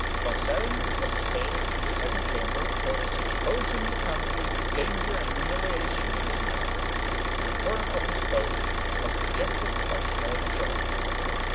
Van Zuylen was assailed in the Second Chamber for his exposing the country to danger and humiliation in this matter; and the Foreign Office vote was rejected by a small majority.